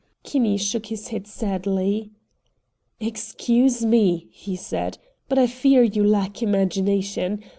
Kinney shook his head sadly. "Excuse me," he said, "but I fear you lack imagination.